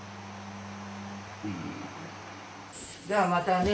じゃあまたね。